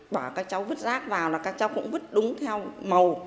bỏ các cháu vứt rác vào là các cháu cũng vứt đúng theo màu